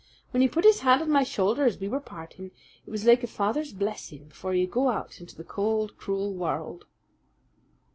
When he put his hand on my shoulder as we were parting, it was like a father's blessing before you go out into the cold, cruel world."